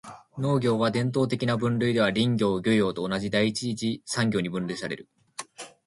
農業は、伝統的な分類では林業・漁業と同じ第一次産業に分類される。